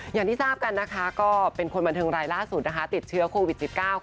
อย่างที่ทราบกันนะคะก็เป็นคนบันเทิงรายล่าสุดนะคะติดเชื้อโควิด๑๙